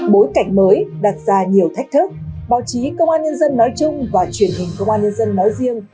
bối cảnh mới đặt ra nhiều thách thức báo chí công an nhân dân nói chung và truyền hình công an nhân dân nói riêng